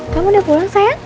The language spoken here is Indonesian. kamu udah pulang sayang